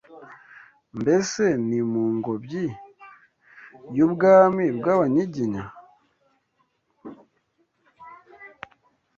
Mbese ni mu ngobyi y’ubwami bw’Abanyiginya